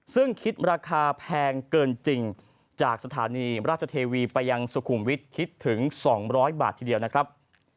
ซึ่งคิดราคาแพงเกินจริงจากสถานีราชเทวีไปยังสุขุมวิทย์คิดถึง๒๐๐บาททีเดียวนะครับ